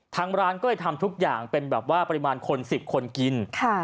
ทางร้านก็เลยทำทุกอย่างเป็นแบบว่าปริมาณคน๑๐คนกิน